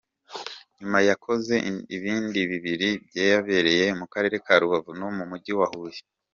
Nyuma yakoze ibindi bibiri byabereye mu Karere ka Rubavu no mu Mujyi wa Huye.